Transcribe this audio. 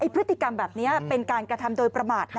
พฤติกรรมแบบนี้เป็นการกระทำโดยประมาท